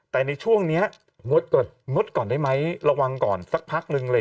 แต่ในช่วงนี้มดก่อนได้ไหมระวังก่อนสักพักหนึ่ง